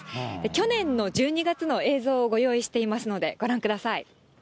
去年の１２月の映像をご用意していますので、ご覧ください。